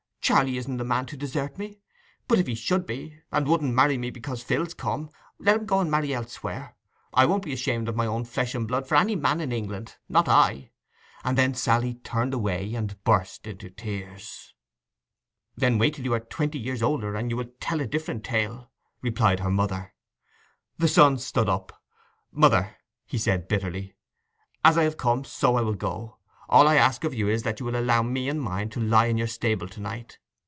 'Charley isn't the man to desert me. But if he should be, and won't marry me because Phil's come, let him go and marry elsewhere. I won't be ashamed of my own flesh and blood for any man in England—not I!' And then Sally turned away and burst into tears. 'Wait till you are twenty years older and you will tell a different tale,' replied her mother. The son stood up. 'Mother,' he said bitterly, 'as I have come, so I will go. All I ask of you is that you will allow me and mine to lie in your stable to night.